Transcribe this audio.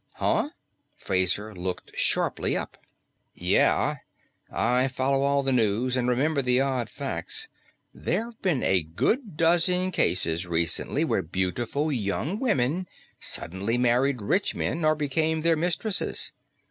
"Huh?" Fraser looked sharply up. "Yeah. I follow all the news; and remember the odd facts. There've been a good dozen cases recently, where beautiful young women suddenly married rich men or became their mistresses.